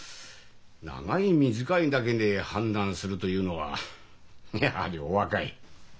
長い短いだけで判断するというのはやはりお若い。